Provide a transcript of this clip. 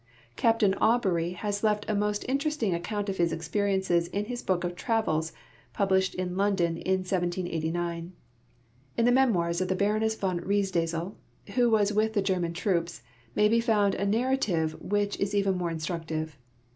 Captain Auburey has left a most in teresting account of his experiences in his book of travels pub lished in London in 1789. In the Memoirs of the Baroness von Riedesel, wdio was with the German troops, may be found a narrative which is even more instructive.